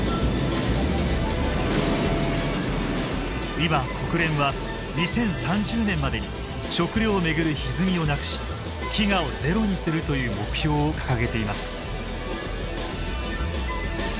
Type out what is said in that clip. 今国連は２０３０年までに食料を巡るひずみをなくし飢餓をゼロにするという目標を掲げています。